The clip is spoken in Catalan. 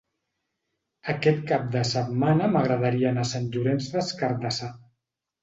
Aquest cap de setmana m'agradaria anar a Sant Llorenç des Cardassar.